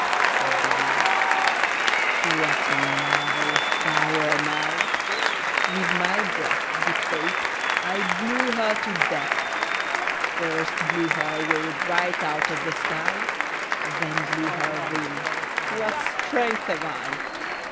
Said the Wind "What a marvel of power am I! With my breath, Good faith! I blew her to death First blew her away right out of the sky Then blew her in; what strength have I!"